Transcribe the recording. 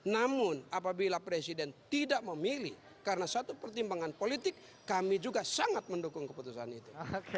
namun apabila presiden tidak memilih karena satu pertimbangan politik kami juga sangat mendukung keputusan itu